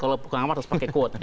kalau pengamaran harus pakai quote